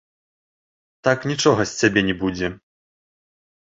Так нічога з цябе не будзе.